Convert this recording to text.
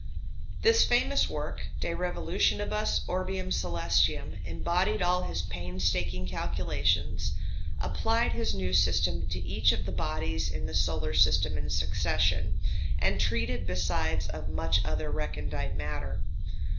This famous work, "De Revolutionibus Orbium Coelestium," embodied all his painstaking calculations, applied his new system to each of the bodies in the solar system in succession, and treated besides of much other recondite matter.